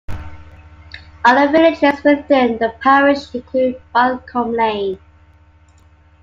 Other villages within the parish include Balcombe Lane.